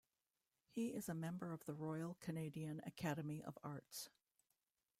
He is a member of the Royal Canadian Academy of Arts.